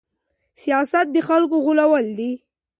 سياست د خلکو غولول دي.